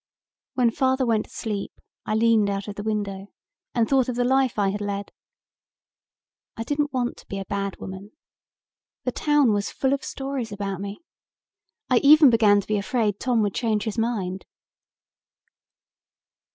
When father went to sleep I leaned out of the window and thought of the life I had led. I didn't want to be a bad woman. The town was full of stories about me. I even began to be afraid Tom would change his mind."